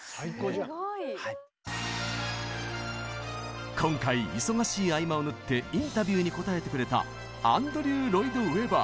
すごい。今回忙しい合間を縫ってインタビューに答えてくれたアンドリュー・ロイド＝ウェバー。